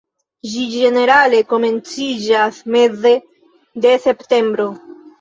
Ĝi ĝenerale komenciĝas meze de septembro.